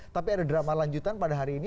tapi ada drama lanjutan pada hari ini